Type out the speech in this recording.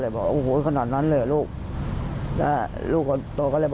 และก็อยู่กับแม่เขาที่ใต้